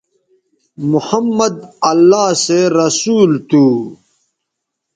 محمدؐ اللہ سو رسول تھو